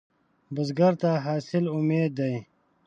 بزګر ته حاصل امید دی